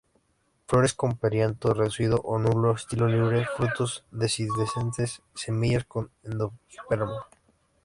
Flores con perianto reducido o nulo, estilos libres, frutos indehiscentes, semillas con endosperma.